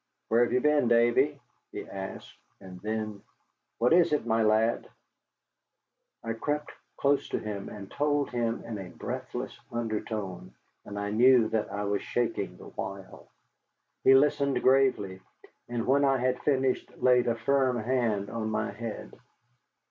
"Where have you been, Davy?" he asked. And then, "What is it, my lad?" I crept close to him and told him in a breathless undertone, and I knew that I was shaking the while. He listened gravely, and when I had finished laid a firm hand on my head.